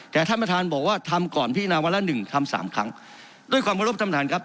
แต่ท่านมาทานบอกว่าทำก่อนพี่นาวันละหนึ่งทำสามครั้งด้วยความรวบทำทานครับ